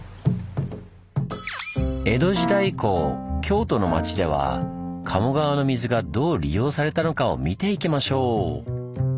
江戸時代以降京都の町では鴨川の水がどう利用されたのかを見ていきましょう！